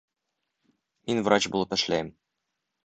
Мин врач булып эшләйем